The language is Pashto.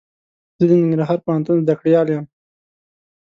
زه د ننګرهار پوهنتون زده کړيال يم.